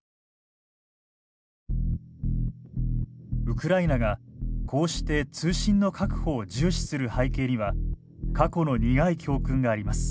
ウクライナがこうして通信の確保を重視する背景には過去の苦い教訓があります。